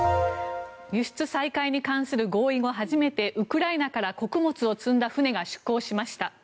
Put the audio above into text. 輸出再開に関する合意後初めてウクライナから穀物を積んだ船が出港しました。